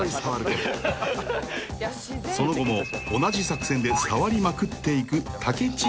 ［その後も同じ作戦で触りまくっていく武知］